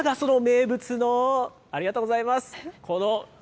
こちらがその名物の、ありがとうございます。